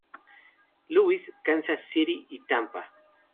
Louis, Kansas City y Tampa.